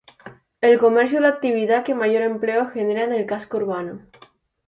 El comercio es la actividad que mayor empleo genera en el casco urbano.